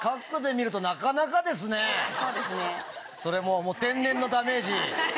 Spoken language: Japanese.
それも天然のダメージ。